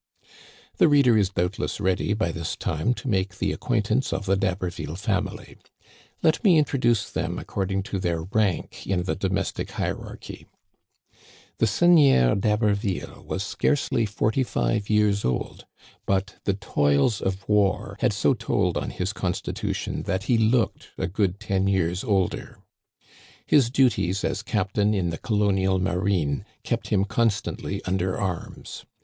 The reader is doubtless ready by this time to make the acquaintance of the D'Haberville family. Let me introduce them according to their rank in the domestic hierarchy : The Seigneur d'Haberville was scarcely forty five years old, but the toils of war had so told on his consti tution that he looked a good ten years older. His duties as captain in the Colonial Marine kept him constantly under arms.